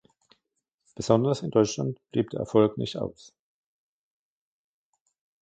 Besonders in Deutschland blieb der Erfolg nicht aus.